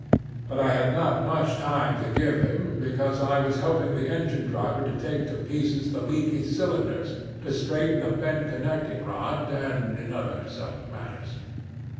But I had not much time to give him, because I was helping the engine driver to take to pieces the leaky cylinders, to straighten a bent connecting rod, and in other such matters.